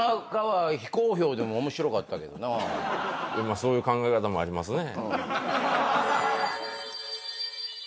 そういう考え方もありますね。